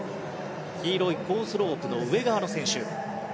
黄色いコースロープの上側の選手。